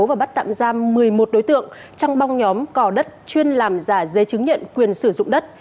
và bắt tạm giam một mươi một đối tượng trong băng nhóm cò đất chuyên làm giả giấy chứng nhận quyền sử dụng đất